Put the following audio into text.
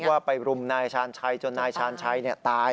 ว่าไปรุมนายชาญชัยจนนายชาญชัยตาย